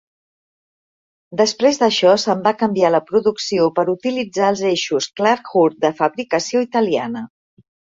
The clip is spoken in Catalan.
Després d'això, se'n va canviar la producció per utilitzar els eixos Clark-Hurth, de fabricació italiana.